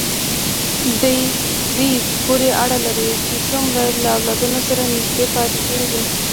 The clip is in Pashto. دې پورې اړه لري چې څومره له اولادونو سره نږدې پاتې کېږي.